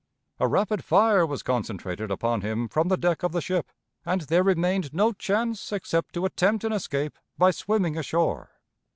A rapid fire was concentrated upon him from the deck of the ship, and there remained no chance except to attempt an escape by swimming ashore.